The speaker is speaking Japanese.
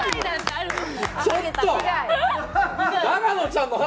ちょっと！